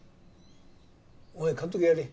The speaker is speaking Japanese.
お前監督やれ。